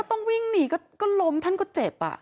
ต้องวิ่งหนีก็ล้มท่านก็เจ็บ